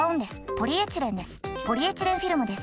ポリエチレンフィルムです。